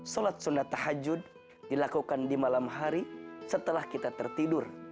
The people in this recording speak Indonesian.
sholat sunnah tahajud dilakukan di malam hari setelah kita tertidur